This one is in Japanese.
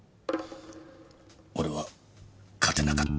俺は勝てなかった。